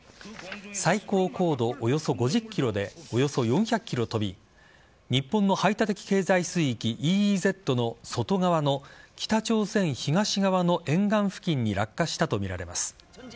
最高高度およそ５０ｋｍでおよそ４００ｋｍ飛び日本の排他的経済水域＝ＥＥＺの外側の北朝鮮東側の沿岸付近に落下したとみられます。